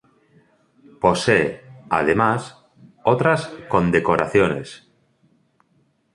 Posee, además, otras condecoraciones.